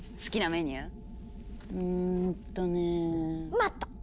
待った！